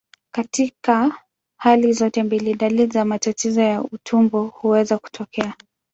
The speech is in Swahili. Katika hali zote mbili, dalili za matatizo ya utumbo huweza kutokea.